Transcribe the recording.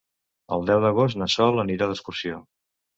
El deu d'agost na Sol anirà d'excursió.